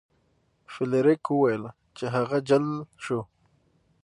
فلیریک وویل چې هغه جل شو.